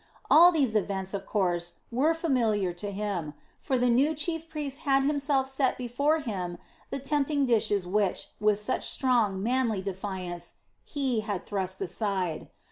All these events, of course, were familiar to him; for the new chief priest had himself set before him the tempting dishes which, with such strong, manly defiance, he had thrust aside.